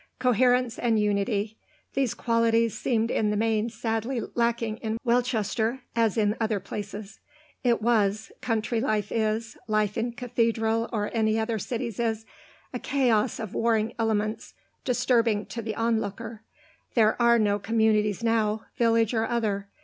Coherence and unity; these qualities seemed in the main sadly lacking in Welchester, as in other places. It was country life is, life in Cathedral or any other cities is a chaos of warring elements, disturbing to the onlooker. There are no communities now, village or other.